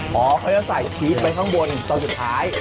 พอเขาจะใส่ชีสไปข้างบนตอนสุดท้าย